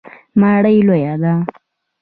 ماڼۍ لویه ده.